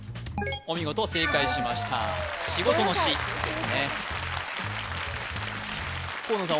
お見事正解しました仕事の「仕」ですね河野さん